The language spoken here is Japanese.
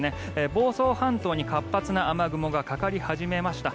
房総半島に活発な雨雲がかかり始めました。